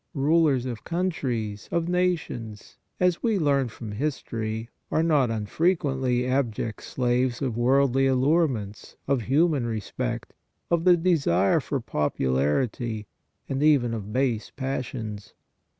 Rulers of countries, of nations, as we learn from history, are not un frequently abject slaves of worldly allurements, of human respect, of the desire for popularity and even of base passions.